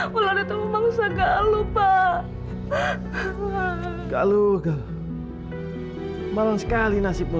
itu sama sama ular aku lihat ular itu manusia galuh pak galuh galuh malang sekali nasibnya